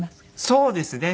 そうですね。